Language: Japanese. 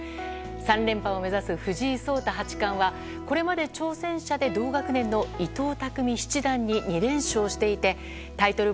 ３連覇を目指す藤井聡太八冠はこれまで挑戦者で同学年の伊藤匠七段に２連勝していてタイトル